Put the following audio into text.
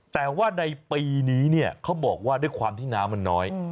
แต่ว่าในปีนี้เนี่ยเขาบอกว่าด้วยความที่น้ำมันน้อย